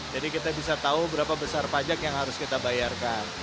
jadi kita bisa tahu berapa besar pajak yang harus kita bayarkan